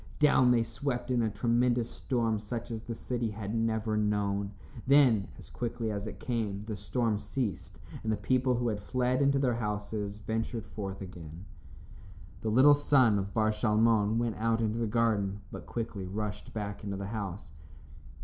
Down they swept in a tremendous storm such as the city had never known. Then, as quickly as it came, the storm ceased, and the people who had fled into their houses, ventured forth again. The little son of Bar Shalmon went out into the garden, but quickly rushed back into the house.